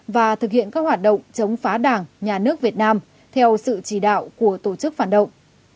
và thực hiện các hoạt động chống phá đảng nhà nước việt nam theo sự chỉ đạo của tổ chức phản động